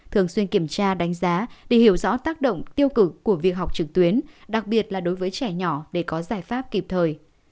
thường xuyên kiểm tra đánh giá để hiểu rõ tác động tiêu cực của việc học trực tuyến đặc biệt là đối với trẻ nhỏ để có giải pháp kịp thời